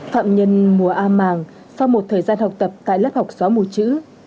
phạm nhân mùa a màng sau một thời gian học tập tại lớp học gió mùa chữ